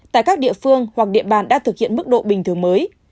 tại các địa phương hoặc địa bàn đã thực hiện mức độ bình thường mới